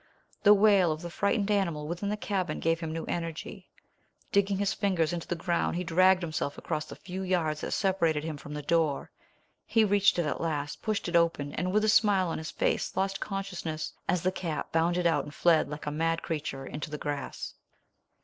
The wail of the frightened animal within the cabin gave him new energy. Digging his fingers into the ground he dragged himself across the few yards that separated him from the door. He reached it at last, pushed it open, and with a smile on his face lost consciousness as the cat bounded out and fled like a mad creature into the grass.